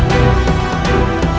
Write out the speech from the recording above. terima kasih sir